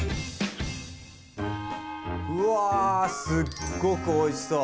うわすっごくおいしそう！